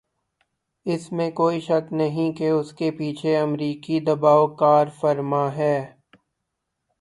اس میں کوئی شک نہیں کہ اس کے پیچھے امریکی دبائو کارفرما ہے۔